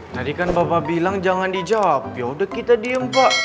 tadi kan bapak bilang jangan dijawab yaudah kita diem pak